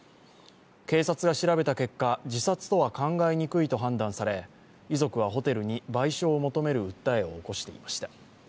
警察が調べた結果、自殺とは考えにくいと判断され遺族はホテルに賠償を求める訴えを起こしていました。